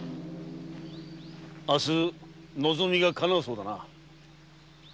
明日望みがかなうそうだな。